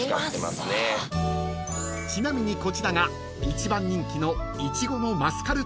［ちなみにこちらが一番人気の］